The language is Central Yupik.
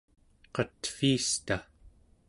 qatviista